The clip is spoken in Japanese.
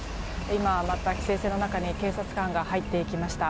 今また、規制線の中に警察官が入っていきました。